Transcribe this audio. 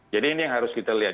ini yang harus kita lihat